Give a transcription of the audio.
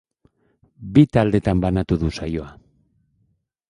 Bi taldetan banatu du saioa.